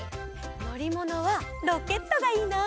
のりものはロケットがいいな！